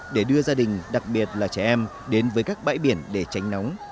để đưa gia đình đặc biệt là trẻ em đến với các bãi biển để tránh nóng